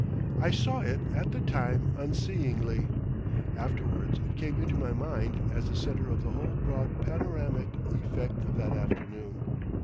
I saw it at the time unseeingly; afterwards it came into my mind as the centre of the whole broad panoramic effect of that afternoon.